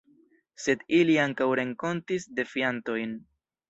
Sed ili ankaŭ renkontis defiantojn.